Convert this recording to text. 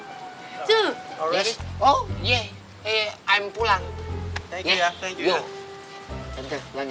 tante jangan gituin dong